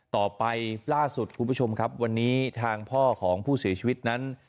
ต่อไปล่าสุดคุณผู้ชมครับวันนี้ทางพ่อของผู้เสียชีวิตนั้น